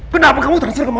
kenapa kamu transfer ke mama